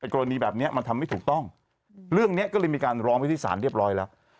กรณีแบบนี้มันทำไม่ถูกต้องเรื่องนี้ก็เลยมีการร้องไปที่ศาลเรียบร้อยแล้ว